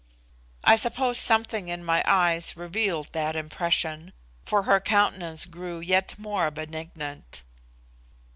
I suppose something in my eyes revealed that impression, for her countenance grew yet more benignant.